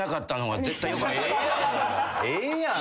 ええやん。